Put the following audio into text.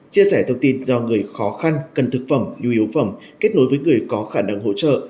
chia sẻ thông tin do người khó khăn cần thực phẩm nhu yếu phẩm kết nối với người có khả năng hỗ trợ